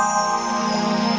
tidak ada yang bisa dikawal